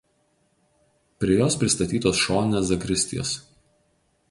Prie jos pristatytos šoninės zakristijos.